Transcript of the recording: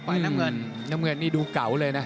ไหนน้ำเงินนี่ดูเก่าเลยนะ